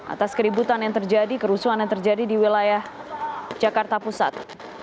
atas keributan yang terjadi kerusuhan yang terjadi di wilayah jakarta pusat